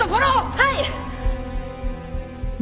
はい。